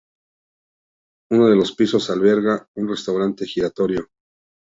Uno de los pisos alberga un restaurante giratorio.